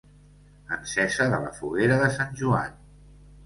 Encesa de la foguera de Sant Joan.